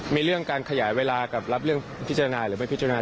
มีเรื่องการขยายเวลากับรับเรื่องพิจารณาหรือไม่พิจารณา